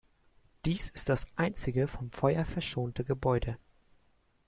Dies ist das einzige vom Feuer verschonte Gebäude.